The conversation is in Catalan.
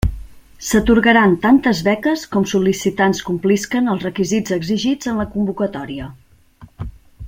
S'atorgaran tantes beques com sol·licitants complisquen els requisits exigits en la convocatòria.